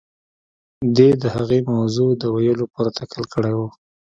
دې د هغې موضوع د ويلو پوره تکل کړی و.